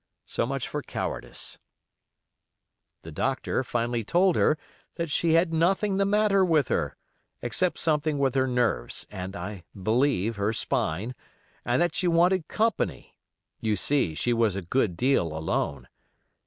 So much for cowardice. The doctor finally told her that she had nothing the matter with her, except something with her nerves and, I believe, her spine, and that she wanted company (you see she was a good deal alone).